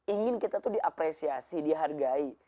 ingin kita dihargai